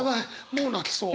もう泣きそう。